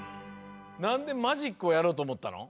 なんでマジックをやろうとおもったの？